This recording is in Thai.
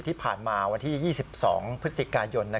ที่ผ่านมาวันที่๒๒พฤศจิกายน